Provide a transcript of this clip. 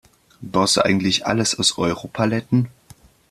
Baust du eigentlich alles aus Europaletten?